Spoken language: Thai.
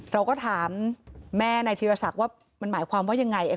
เราก็ถามแม่นายธีรศักดิ์ว่ามันหมายความว่ายังไง